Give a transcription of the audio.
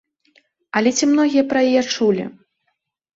Але ці многія пра яе чулі?